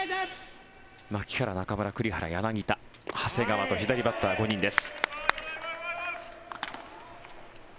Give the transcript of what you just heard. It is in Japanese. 牧原、中村、栗原、柳田長谷川と左バッター５人です。